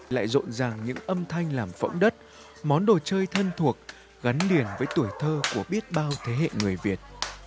lại rộn ràng những âm thanh làm phẫu đất món đồ chơi thân thuộc gắn liền với tuổi thơ của biết bao thế hệ người việt